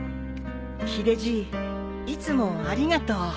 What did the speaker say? ヒデじいいつもありがとう。